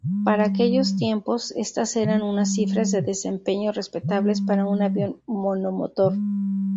Para aquellos tiempos, estas eran unas cifras de desempeño respetables para un avión monomotor.